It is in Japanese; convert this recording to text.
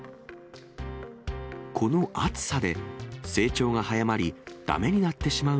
この暑さで、成長が早まり、だめになってしまう